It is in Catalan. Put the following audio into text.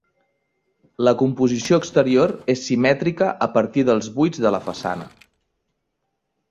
La composició exterior és simètrica a partir dels buits de la façana.